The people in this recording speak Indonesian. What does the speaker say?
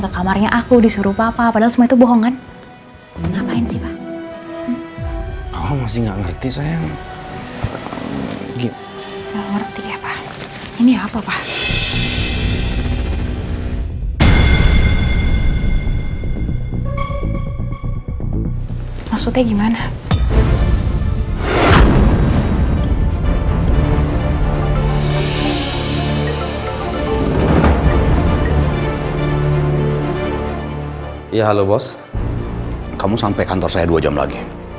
kamu sampai kantor saya dua jam lagi